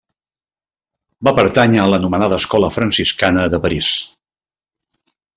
Va pertànyer a l'anomenada escola franciscana de París.